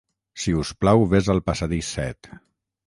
Si us plau vés al passadís set.